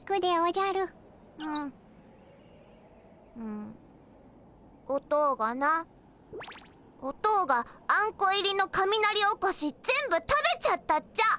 んおとおがなおとおがアンコ入りのカミナリおこし全部食べちゃったっちゃ。